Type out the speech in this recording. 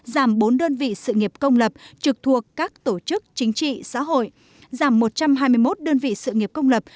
giảm bốn đơn vị sự nghiệp công lập trực thuộc các tổ chức chính trị xã hội giảm một trăm hai mươi một đơn vị sự nghiệp công lập